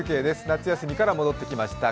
夏休みから戻ってきました